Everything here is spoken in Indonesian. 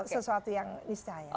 sesuatu yang disayangkan